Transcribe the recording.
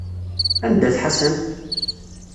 Anda-t Ḥasan?